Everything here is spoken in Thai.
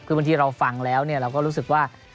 คือบางทีเราฟังแล้วเราก็รู้สึกว่า